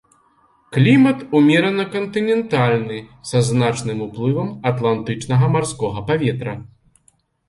Клімат умерана-кантынентальны, са значным уплывам атлантычнага марскога паветра.